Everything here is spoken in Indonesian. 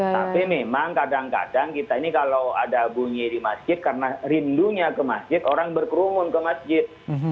tapi memang kadang kadang kita ini kalau ada bunyi di masjid karena rindunya ke masjid orang berkerumun ke masjid